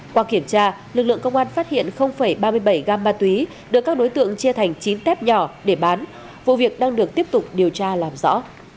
qua kiểm tra lực lượng công an phát hiện ba mươi bảy gam ma túy được các đối tượng chia thành chín tép nhỏ để bán vụ việc đang được tiếp tục điều tra làm rõ